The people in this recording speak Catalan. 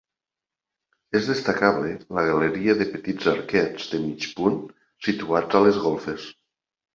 És destacable la galeria de petits arquets de mig punt situats a les golfes.